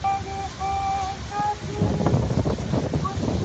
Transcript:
خو خدای به پر ظالم هم رحم نکوي